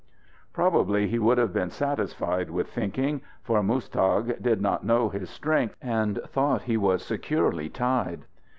Probably he would have been satisfied with thinking, for Muztagh did not know his strength, and thought he was securely tied.